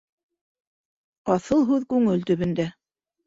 Аҫыл һүҙ күңел төбөндә.